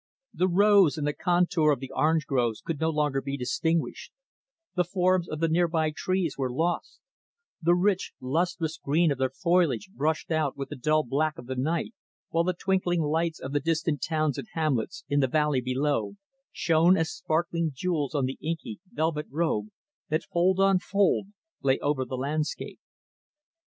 The rows and the contour of the orange groves could no longer be distinguished the forms of the nearby trees were lost the rich, lustrous green of their foliage brushed out with the dull black of the night; while the twinkling lights of the distant towns and hamlets, in the valley below, shone as sparkling jewels on the inky, velvet robe that, fold on fold, lay over the landscape.